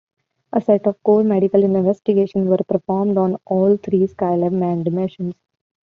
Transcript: A set of core medical investigations were performed on all three Skylab manned missions.